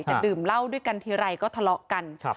แต่ดื่มเหล้าด้วยกันทีไรก็ทะเลาะกัน